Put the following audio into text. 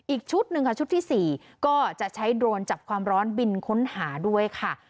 อีกชุดหนึ่งค่ะชุดที่๔ก็จะใช้โดรนจับความร้อนบินค้นหาด้วยค่ะ